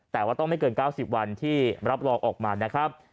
แต่ว่าต้องไม่เกิน๙๐วันที่รับรองออกมานะครับ